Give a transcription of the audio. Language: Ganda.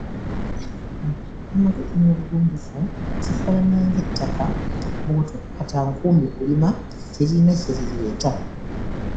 Amagezi n'obugunjufu kifaanana ng'ettaka, bw'otokwata nkumbi kulima, teririna kye lireeta.